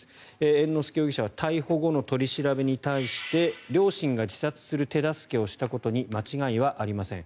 猿之助容疑者は逮捕後の取り調べに対して両親が自殺する手助けをしたことに間違いはありません